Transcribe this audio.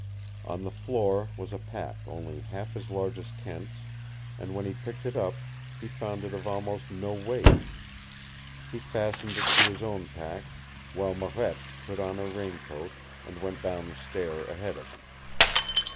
On the floor was a pack only half as large as Kent's and when he picked it up, he found it of almost no weight. He fastened it to his own pack while Marette put on her raincoat and went down the stair ahead of him.